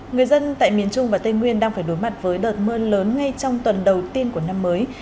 người dân tại miền trung và tây nguyên đang phải đối mặt với đợt mưa lớn ngay trong tuần đầu tiên của năm mới